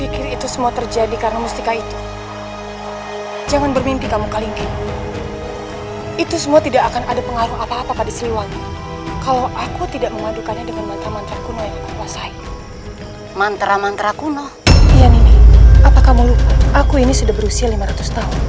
kau yang ngesenang dulu